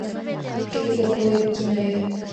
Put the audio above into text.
かきくけこきのゆ